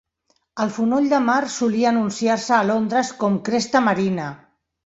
El fonoll de mar solia anunciar-se a Londres com "Cresta Marina".